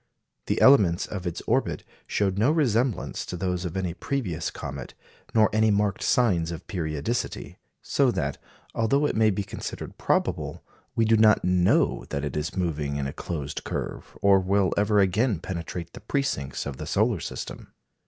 The elements of its orbit showed no resemblance to those of any previous comet, nor any marked signs of periodicity. So that, although it may be considered probable, we do not know that it is moving in a closed curve, or will ever again penetrate the precincts of the solar system.